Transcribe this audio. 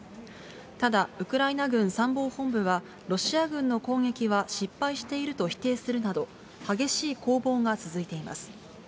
ただウクライナ軍参謀本部は、ロシア軍の攻撃は失敗していると否定するなど、激しい攻防が続いています。